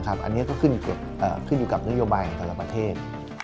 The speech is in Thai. อันนี้ก็ขึ้นอยู่กับนโยบายของแต่ละประเทศ